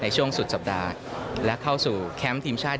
ช่วงสุดสัปดาห์และเข้าสู่แคมป์ทีมชาติ